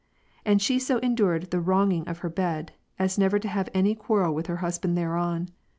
And she so endured the wronging of her bed, as never to have any quarrel with her husband thereon.